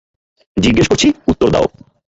জিজ্ঞেস করছি,, উত্তর দাও।